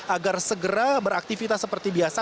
agar segera beraktivitas seperti biasa